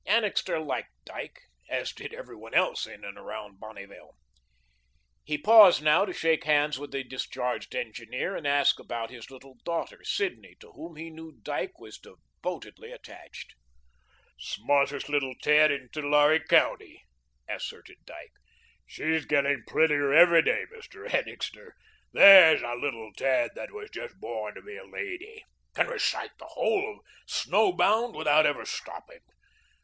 Annixter liked Dyke, as did every one else in and about Bonneville. He paused now to shake hands with the discharged engineer and to ask about his little daughter, Sidney, to whom he knew Dyke was devotedly attached. "Smartest little tad in Tulare County," asserted Dyke. "She's getting prettier every day, Mr. Annixter. THERE'S a little tad that was just born to be a lady. Can recite the whole of 'Snow Bound' without ever stopping.